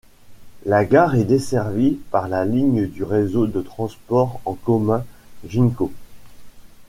La gare est desservie par la ligne du réseau de transport en commun Ginko.